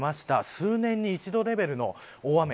数年に一度レベルの大雨。